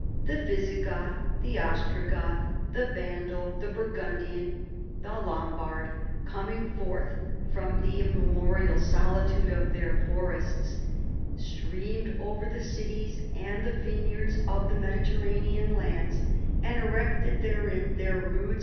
The Visigoth, the Ostrogoth, the Vandal, the Burgundian, the Lombard, coming forth from the immemorial solitude of their forests, streamed over the cities and the vineyards of the Mediterranean lands, and erected therein their rude 4 CHARLEMAGNE.